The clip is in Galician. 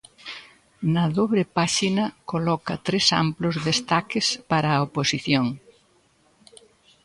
Na dobre páxina coloca tres amplos destaques para a oposición.